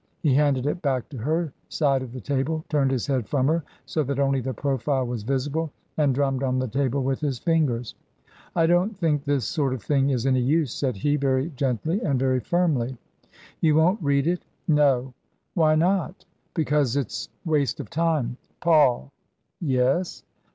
He handed it back to her side of the table, turned his head from her so that only the profile was visible, and drummed on the table with his fingers. " I don't think this sort of thing is any use," said he, very gently and very firmly. " You won't read it ?"" No." " Why not ?"" Because it's waste of time." '< Paul "" Yes